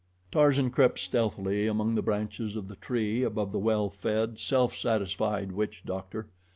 Tarzan crept stealthily among the branches of the tree above the well fed, self satisfied witch doctor.